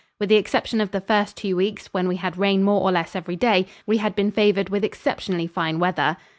With the exception of the first two weeks, when we had rain more or less every day, we had been favored with exceptionally fine weather.